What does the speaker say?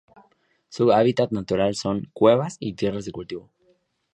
Su hábitat natural son: Cuevas y tierras de cultivo.